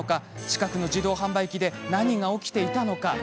近くの自動販売機で何が起きていたのか？